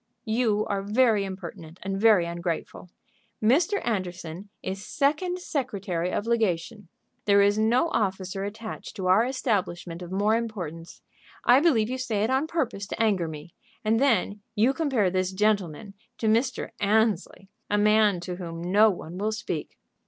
"You are very impertinent and very ungrateful. Mr. Anderson is second secretary of legation. There is no officer attached to our establishment of more importance. I believe you say it on purpose to anger me. And then you compare this gentleman to Mr. Annesley, a man to whom no one will speak."